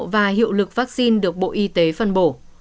và hiệu lực vaccine được bộ y tế phân bổ